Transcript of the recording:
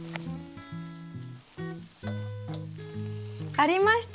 ありました。